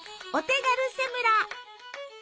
お手軽セムラ。